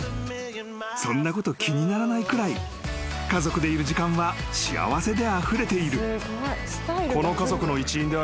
［そんなこと気にならないくらい家族でいる時間は幸せであふれている］